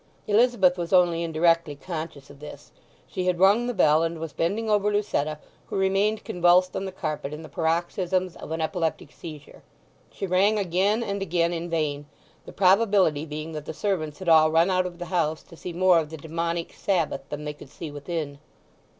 Elizabeth was only indirectly conscious of this; she had rung the bell, and was bending over Lucetta, who remained convulsed on the carpet in the paroxysms of an epileptic seizure. She rang again and again, in vain; the probability being that the servants had all run out of the house to see more of the Demoniac Sabbath than they could see within.